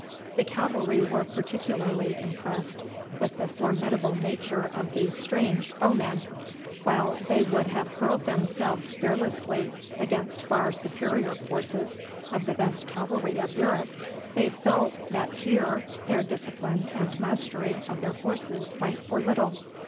The cavalry were particularly impressed with the formidable nature of these strange foemen. While they would have hurled themselves fearlessly against far superior forces of the best cavalry of Europe, they felt that here their discipline and mastery of their horses went for little.